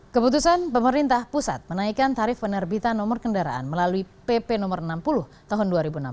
keputusan pemerintah pusat menaikkan tarif penerbitan nomor kendaraan melalui pp no enam puluh tahun dua ribu enam belas